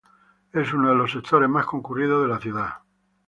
Es uno de los sectores más concurridos de la ciudad.